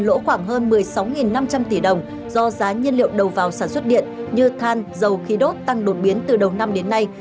lỗ khoảng hơn một mươi sáu năm trăm linh tỷ đồng do giá nhiên liệu đầu vào sản xuất điện như than dầu khí đốt tăng đột biến từ đầu năm đến nay